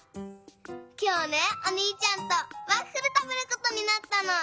きょうねおにいちゃんとワッフルたべることになったの。